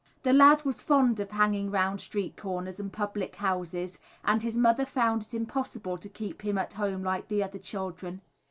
The lad was fond of hanging round street corners and public houses, and his mother found it impossible to keep him at home like the other children.